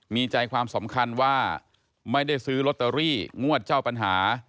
มีใจความสำคัญว่าไม่ได้ซื้อลอตเตอรี่งวดเจ้าปัญหา